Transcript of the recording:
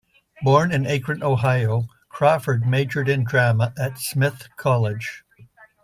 Born in Akron, Ohio, Crawford majored in drama at Smith College.